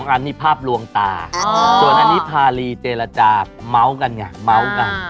อันนี้ภาพลวงตาส่วนอันนี้พารีเจรจาเมาส์กันไงเมาส์กัน